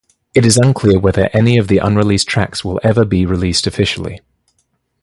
It is unclear whether any of the unreleased tracks will ever be released officially.